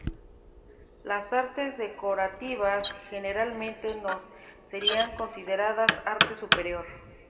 Las artes decorativas generalmente no serían consideradas arte superior.